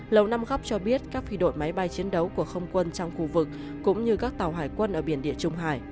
lầu năm góc cho biết các phi đội máy bay chiến đấu của không quân trong khu vực cũng như các tàu hải quân ở biển địa trung hải